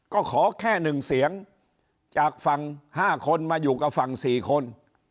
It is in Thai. ก็ขอแค่๑เสียงจากฝั่ง๕คนมาอยู่กับฝั่ง๔คน